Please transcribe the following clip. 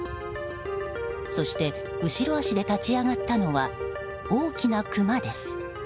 そして、後ろ足で立ち上がったのは大きなクマです。